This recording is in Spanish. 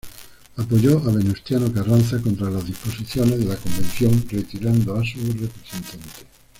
Apoyó a Venustiano Carranza contra las disposiciones de la Convención, retirando a su representante.